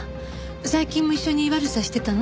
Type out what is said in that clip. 最近も一緒に悪さしてたの？